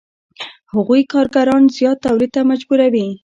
هغوی کارګران زیات تولید ته مجبوروي